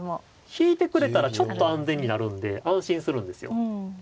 引いてくれたらちょっと安全になるんで安心するんですよ。